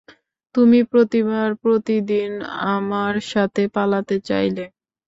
তুমি প্রতিবার, প্রতিদিন আমার সাথে পালাতে চাইলে।